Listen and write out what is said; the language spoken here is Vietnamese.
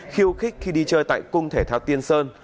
khiêu khích khi đi chơi tại cung thể thao tiên sơn